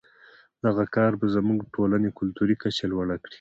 دغه کار به زموږ د ټولنې کلتوري کچه لوړه کړي.